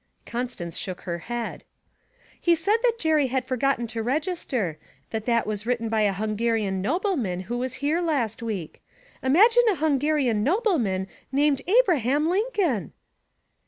Constance shook her head. 'He said that Jerry had forgotten to register, that that was written by a Hungarian nobleman who was here last week imagine a Hungarian nobleman named Abraham Lincoln!'